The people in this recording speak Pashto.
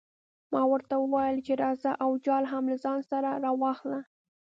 ما ورته وویل چې راځه او جال هم له ځان سره راواخله.